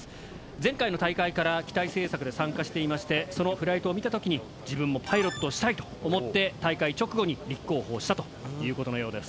前回の大会から機体製作で参加していましてそのフライトを見た時に自分もパイロットをしたいと思って大会直後に立候補をしたということのようです。